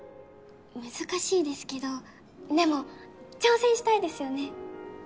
難しいですけどでも挑戦したいですよね